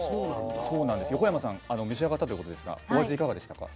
横山さん召し上がったということですがお味いかがでしたか？